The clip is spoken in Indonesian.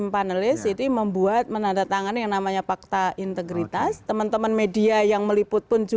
maksudnya mereka harus mengerti